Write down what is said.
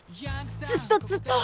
ずっとずっと。